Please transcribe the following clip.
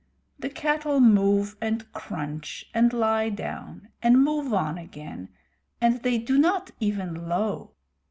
The cattle move and crunch, and lie down, and move on again, and they do not even low.